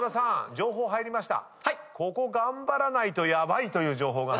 情報入りました。